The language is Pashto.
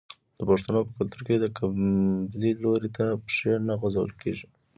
د پښتنو په کلتور کې د قبلې لوري ته پښې نه غځول کیږي.